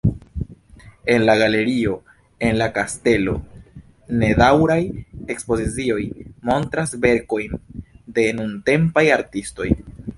En la "Galerio en la kastelo" nedaŭraj ekspozicioj montras verkojn de nuntempaj artistoj.